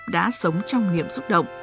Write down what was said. đã sống trong niềm xúc động